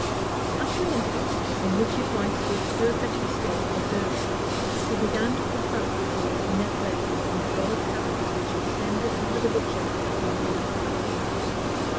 After an interval, in which his wife stood perfectly still, observing him, he began to put back the drawers in their places in the row of cabinets which extended under the bookshelves at one end of the library.